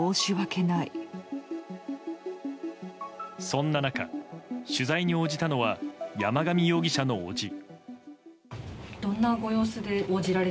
そんな中、取材に応じたのは山上容疑者の伯父。